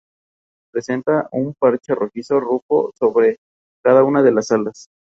El presbiterio ofrece unos sugerentes volúmenes con su ábside cilíndrico.